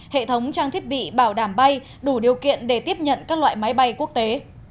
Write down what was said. hệ thống trang thiết bị bảo đảm bay đủ điều kiện để tiếp nhận các loại máy bay quốc tế